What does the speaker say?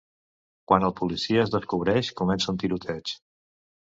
Quan el policia es descobreix, comença un tiroteig.